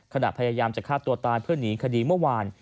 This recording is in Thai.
พยายามจะฆ่าตัวตายเพื่อหนีคดีเมื่อวาน